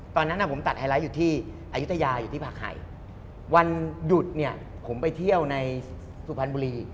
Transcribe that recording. ตอนนั้นผมตัดไฮไลท์อยู่ที่อายุทยาอยู่ที่ผักไห่วันหยุดเนี่ยผมไปเที่ยวในสุพรรณบุรี